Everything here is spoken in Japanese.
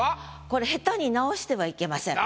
これ下手に直してはいけません。